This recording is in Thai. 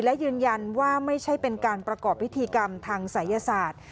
และยืนยันว่าไม่ใช่เป็นการประกอบพิธีกรรมทางศัยศาสตร์